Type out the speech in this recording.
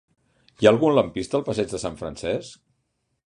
Hi ha algun lampista al passeig de Sant Francesc?